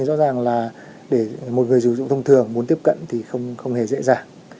rõ ràng là để một người sử dụng thông thường muốn tiếp cận thì không hề dễ dàng